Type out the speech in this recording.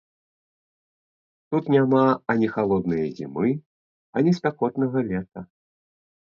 Тут няма ані халоднае зімы, ані спякотнага лета.